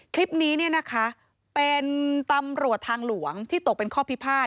คลิปนี้เป็นตำรวจทางหลวงที่ตกเป็นข้อพิพาท